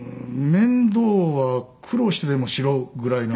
面倒は苦労してでもしろぐらいの。